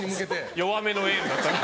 弱めのエールだったな。